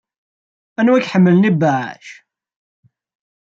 Anwa ay iḥemmlen ibeɛɛac?